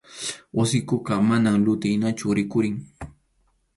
Wasiykuqa manam luti hinachu rikhurin.